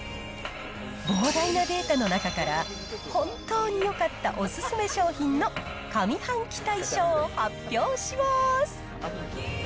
膨大なデータの中から、本当によかったお勧め商品の上半期大賞を発表します。